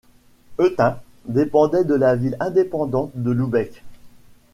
Eutin dépendait de la ville indépendante de Lübeck.